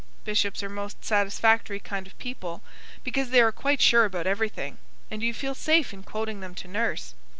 Bishops are most satisfactory kind of people; because they are quite sure about everything; and you feel safe in quoting them to Nurse.